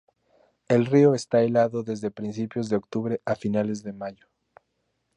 El río está helado desde principios de octubre a finales de mayo.